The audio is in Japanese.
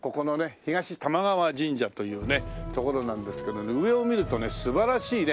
東玉川神社という所なんですけどね上を見るとね素晴らしいね